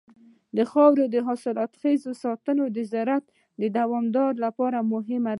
د خاورې د حاصلخېزۍ ساتنه د زراعت د دوام لپاره مهمه ده.